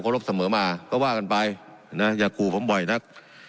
รบเสมอมาก็ว่ากันไปนะอย่าขู่ผมบ่อยนัก